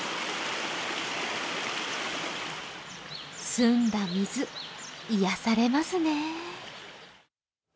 澄んだ水、癒やされますね。